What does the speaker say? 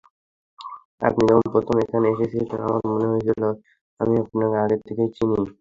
আপনি যখন প্রথম এখানে এসেছিলেন, আমার মনে হয়েছিলো আমি আপনাকে আগে থেকেই চিনি।